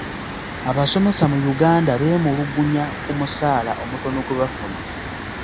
Abasomesa mu Uganda beemulugunya ku musaala omutono gwe bafuna.